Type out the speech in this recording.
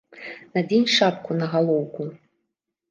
Надзень шапку на галоўку!